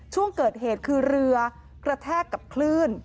ช่วงเกิดเหตุคือเรือกระแทกกับคลื่น